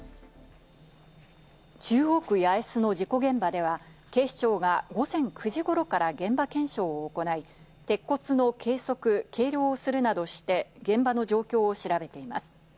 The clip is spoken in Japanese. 中央区八重洲の事故現場では、警視庁が午前９時ごろから現場検証を行い、鉄骨の計測、計量するなどして現場の状況を調べています。